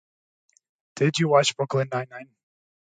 Did you watch Brooklyn nine nine?